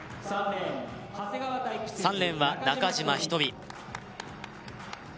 ３レーンは中島ひとみ